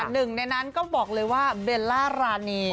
หนึ่งในนั้นก็บอกเลยว่าเบลล่ารานี